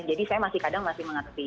jadi saya masih kadang kadang masih mengerti